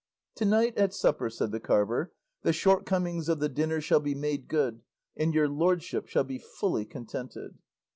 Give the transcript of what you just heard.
"To night at supper," said the carver, "the shortcomings of the dinner shall be made good, and your lordship shall be fully contented."